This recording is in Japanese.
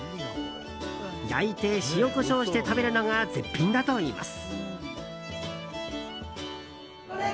焼いて塩、コショウして食べるのが絶品だといいます。